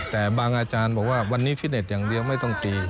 แต่บางอาจารย์บอกว่าวันนี้ฟิตเน็ตอย่างเดียวไม่ต้องตี